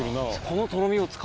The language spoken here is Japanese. このとろみを使う。